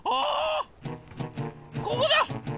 ここだ！